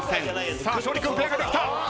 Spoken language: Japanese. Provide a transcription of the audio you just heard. さあ勝利君ペアができた。